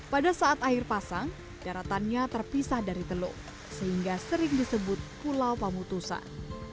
pada saat air pasang daratannya terpisah dari teluk sehingga sering disebut pulau pamutusan